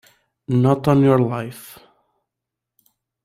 Not on your life.